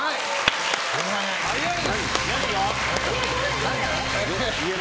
早い。